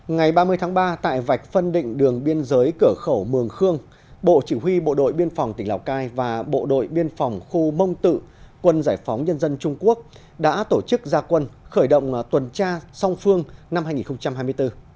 ngày ba mươi tháng ba tại vạch phân định đường biên giới cửa khẩu mường khương bộ chỉ huy bộ đội biên phòng tỉnh lào cai và bộ đội biên phòng khu mông tự quân giải phóng nhân dân trung quốc đã tổ chức gia quân khởi động tuần tra song phương năm hai nghìn hai mươi bốn